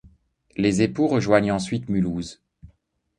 Les époux rejoignent ensuite Mulhouse.